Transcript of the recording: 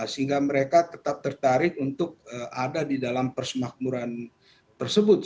sehingga mereka tetap tertarik untuk ada di dalam persemakmuran tersebut